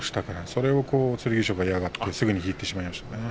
それを剣翔が嫌がってすぐ引いてしまいましたね。